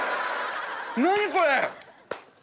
何これ！